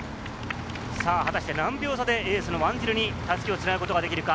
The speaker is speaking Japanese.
果たして何秒差でエースのワンジルに襷をつなぐことができるか？